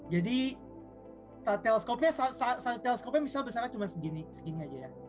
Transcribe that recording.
jadi satu teleskopnya misalnya besarnya cuma segini segini aja ya